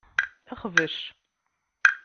Xbec.